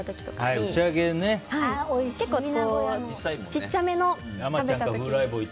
結構ちっちゃめのを食べた時に。